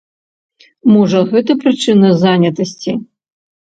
Можа гэта прычына занятасці?